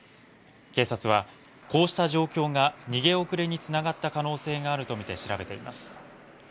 警察はこうした状況が逃げ遅れにつながった可能性があるとみて調べています。